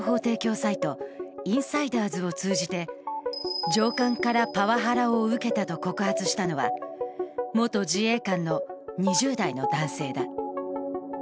サイトインサイダーズを通じて上官からパワハラを受けたと告発したのは元自衛官の２０代の男性だ。